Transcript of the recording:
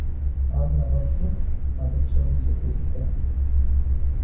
Ар нэгъуэщӏ цӏыхущ, абы псори зэпелъытэ.